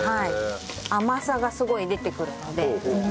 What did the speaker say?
甘さがすごい出てくるので。